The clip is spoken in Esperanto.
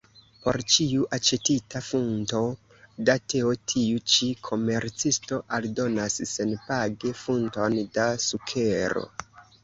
Por ĉiu aĉetita funto da teo tiu ĉi komercisto aldonas senpage funton da sukero.